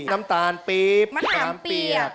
น้ำตาลปรีบมะขามเปียบ